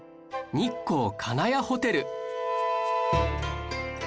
日光金谷ホテル